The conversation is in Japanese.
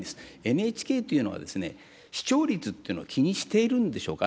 ＮＨＫというのは、視聴率というのは気にしているんでしょうか。